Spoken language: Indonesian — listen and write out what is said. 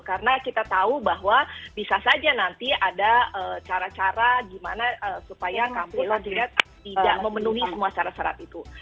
karena kita tahu bahwa bisa saja nanti ada cara cara gimana supaya kampus tidak memenuhi semua syarat syarat itu